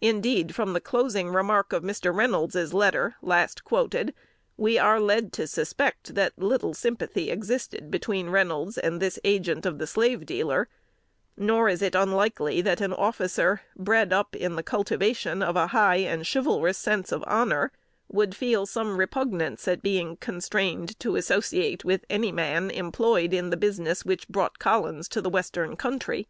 Indeed, from the closing remark of Mr. Reynolds's letter, last quoted, we are led to suspect that little sympathy existed between Reynolds and this agent of the slave dealer; nor is it unlikely that an officer, bred up in the cultivation of a high and chivalrous sense of honor, would feel some repugnance at being constrained to associate with any man employed in the business which brought Collins to the Western Country.